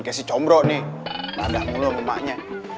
nanti si combro nih padahal ngelua sama emaknya